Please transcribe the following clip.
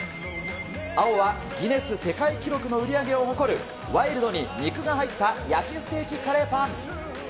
青はギネス世界記録の売り上げを誇る、ワイルドに肉が入った焼きステーキカレーパン。